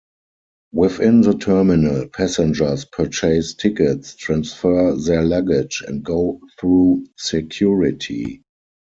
Within the terminal, passengers purchase tickets, transfer their luggage, and go through security.